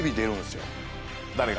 誰が？